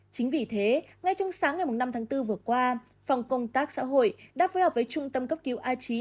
chính vì thế ngay trong sáng ngày năm tháng bốn vừa qua phòng công tác xã hội đã phối hợp với trung tâm cấp cứu a chín